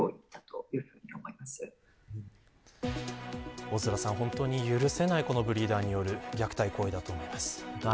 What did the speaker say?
大空さん、本当に許せないブリーダーによる虐待行為だと思います。